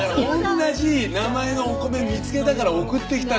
同じ名前のお米見つけたから送ってきたんですよ。